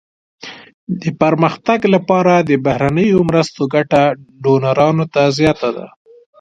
د پرمختګ لپاره د بهرنیو مرستو ګټه ډونرانو ته زیاته ده.